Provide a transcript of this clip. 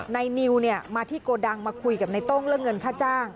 นิวมาที่โกดังมาคุยกับในต้งเรื่องเงินค่าจ้าง